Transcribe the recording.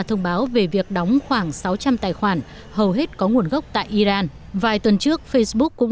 tài khoản đóng khoảng sáu trăm linh tài khoản hầu hết có nguồn gốc tại iran vài tuần trước facebook cũng